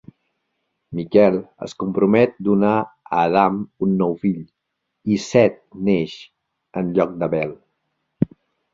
Miquel es compromet donar a Adam un nou fill, i Set neix en lloc d'Abel.